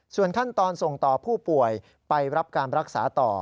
ส่วนขั้นตอนส่งต่อผู้ป่วยไปรับการรักษาต่อ